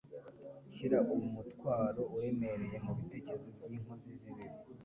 Ishyira umutwaro uremereye mu bitekerezo by'inkozi z'ibibi,